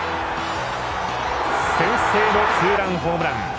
先制のツーランホームラン。